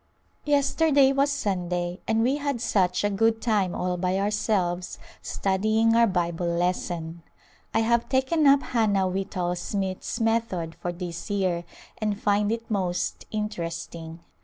Yesterday was Sunday, and we had such a good time all by ourselves studying our Bible lesson. I have taken up Hannah Whitall Smith's method for this year and find it most interesting.